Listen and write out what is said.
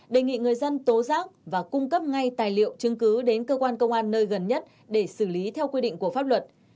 đề nghị người dân tố giác và cung cấp ngay tài liệu chứng cứ đến cơ quan công an nơi gần nhất để xử lý theo quy định của pháp luật